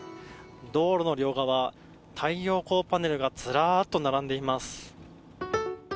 道路の両側太陽光パネルがずらっと並んでいます。